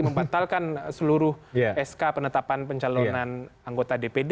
membatalkan seluruh sk penetapan pencalonan anggota dpd